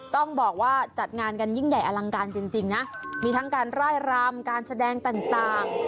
ต้องบอกว่าจัดงานกันยิ่งใหญ่อลังการจริงนะมีทั้งการร่ายรำการแสดงต่าง